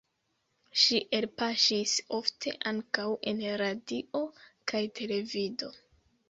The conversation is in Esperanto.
Ŝi elpaŝis ofte ankaŭ en radio kaj televido.